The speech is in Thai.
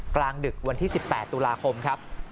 กลางดึกวันที่๑๘ตุลาคมครับ